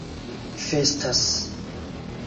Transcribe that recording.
festas